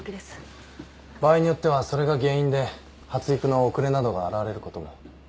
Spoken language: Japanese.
場合によってはそれが原因で発育の遅れなどが現れることも。